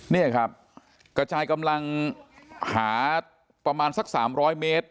นี่ครับกระจายกำลังหาประมาณสัก๓๐๐เมตร